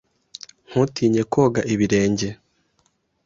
Ntutinye koga ibirenge.